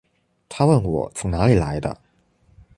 她问我从哪里来的